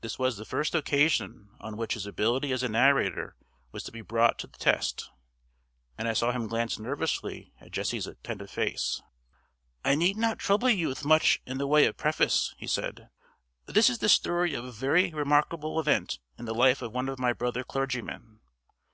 This was the first occasion on which his ability as a narrator was to be brought to the test, and I saw him glance nervously at Jessie's attentive face. "I need not trouble you with much in the way of preface," he said. "This is the story of a very remarkable event in the life of one of my brother clergymen.